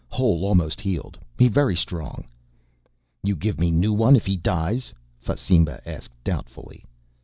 "Hole almost healed. He very strong." "You give me new one if he dies?" Fasimba asked doubtfully.